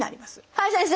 はい先生！